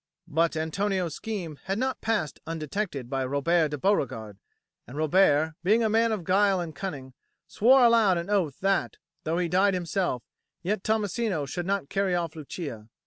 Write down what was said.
But Antonio's scheme had not passed undetected by Robert de Beauregard; and Robert, being a man of guile and cunning, swore aloud an oath that, though he died himself, yet Tommasino should not carry off Lucia.